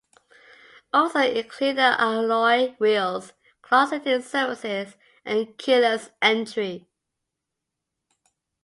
Also included are alloy wheels, cloth seating surfaces, and keyless entry.